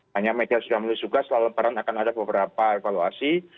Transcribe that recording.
hanya media sudah melihat juga selalu barang akan ada beberapa evaluasi